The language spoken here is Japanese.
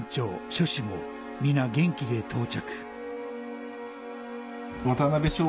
諸氏も皆元気で到着」